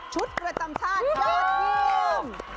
ชุดเรือตำชาติยอดเยี่ยม